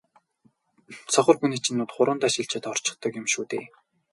сохор хүний чинь нүд хуруундаа шилжээд орчихдог юм шүү дээ.